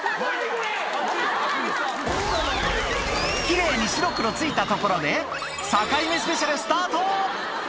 奇麗に白黒ついたところで境目スペシャルスタート！